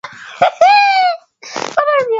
nalo mwaka wa elfumoja miatisa sabini na tatu